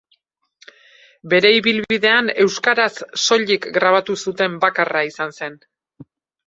Bere ibilbidean euskaraz soilik grabatu zuten bakarra izan zen.